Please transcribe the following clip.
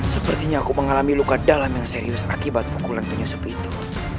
sepertinya aku mengalami luka dalam yang serius akibat pukulan penyusup itu